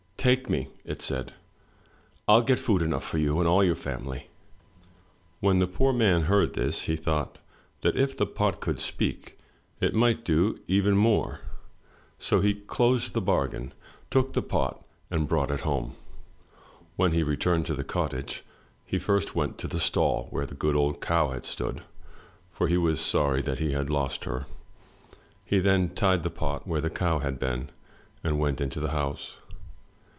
Take me!" it said. "rU get food enough for you and all yoiu: family." When the poor man heard this, he thought that if the pot could speak it might do even ^kAuthor of Danish Fairy and Folk Tales. 69 MY BOOK HOUSE more. So he closed the bargain, took the pot, and brought it home. When he returned to the cottage he first went to the stall where the good old cow had stood, for he was sorry that he had lost her. He then tied the pot where the cow had been, and went on into the house.